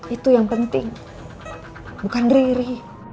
itu yang penting bukan riri